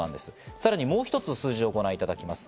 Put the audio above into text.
さらにもう一つ数字をご覧いただきます。